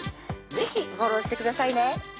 是非フォローしてくださいね